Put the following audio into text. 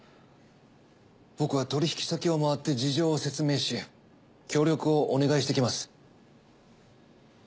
僕は取引先を回って事情を説明し協力をお願いしてきます。